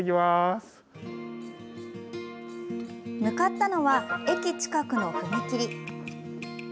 向かったのは駅近くの踏切。